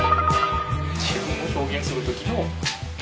自分を表現するときの一言。